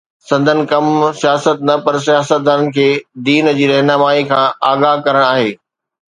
سندن ڪم سياست نه پر سياستدانن کي دين جي رهنمائيءَ کان آگاهه ڪرڻ آهي